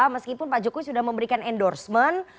meskipun pak jokowi sudah memberikan endorsement